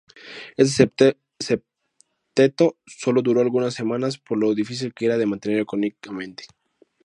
Este septeto solo duró algunas semanas por lo difícil que era de mantener económicamente.